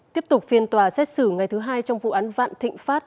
tiếp tục phiên tòa xét xử ngày thứ hai trong vụ án vạn thịnh pháp